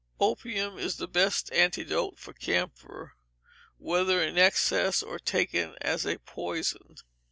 Opium is the best antidote for camphor, whether in excess or taken as a poison.